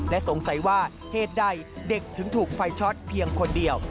และสงสัยว่าเหตุใดเด็กถึงถูกไฟช็อตเพียงคนเดียว